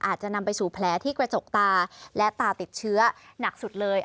อาจจะนำไปสู่แผลที่กระจกตาและตาติดเชื้อหนักสุดเลย